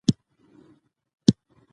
کتاب یې نړیوال شهرت وموند.